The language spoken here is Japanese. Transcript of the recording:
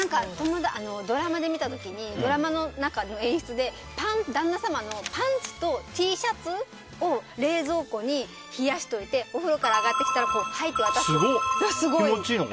ドラマ見た時にドラマの中の演出で旦那様のパンツとＴシャツを冷蔵庫に冷やしておいてお風呂から上がってきたら入って渡すっていうの。